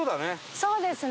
そうですね。